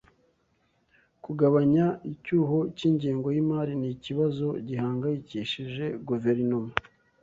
Kugabanya icyuho cyingengo yimari ni ikibazo gihangayikishije guverinoma.